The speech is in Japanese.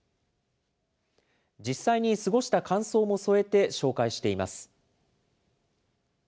実際に過ごした感想も添えて、紹介しています。